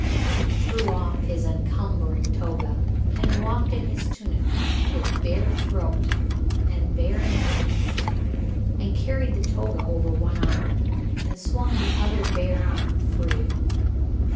He threw off his encumbering toga and walked in his tunic, with bare throat and bare knees, and carried the toga over one bare arm, and swung the other bare arm free.